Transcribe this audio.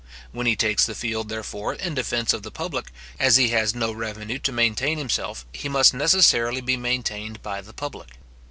When he takes the field, therefore, in defence of the public, as he has no revenue to maintain himself, he must necessarily be maintained by the public.